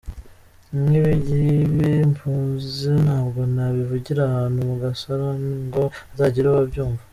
Nk’ibingibi mvuze ntabwo nabivugira ahantu mugasalon ngo hazagire ababyumva.